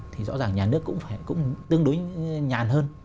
thì rõ ràng nhà nước cũng tương đối nhàn hơn